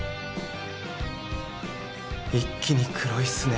一気に黒いっすね